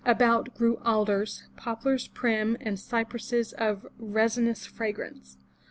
About grew alders, poplars prim and cypresses of resinous fragrance.